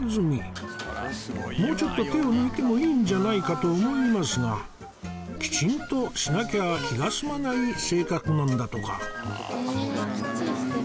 もうちょっと手を抜いてもいいんじゃないかと思いますがきちんとしなきゃ気が済まない性格なんだとか